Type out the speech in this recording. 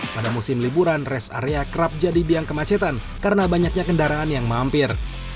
pada musim liburan rest area kerap jadi biang kemacetan karena banyaknya kendaraan yang mampir